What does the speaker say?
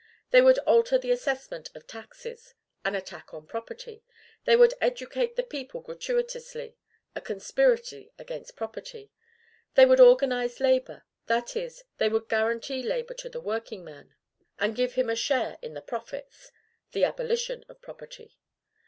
They would alter the assessment of taxes, an attack on property. They would educate the people gratuitously, a conspiracy against property. They would organize labor; that is, they would guarantee labor to the workingman, and give him a share in the profits, the abolition of property.